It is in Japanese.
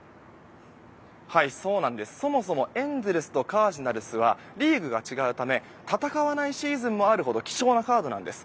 そもそもエンゼルスとカージナルスはリーグが違うため戦わないシーズンもあるほど貴重なカードなんです。